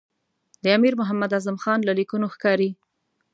د امیر محمد اعظم خان له لیکونو ښکاري.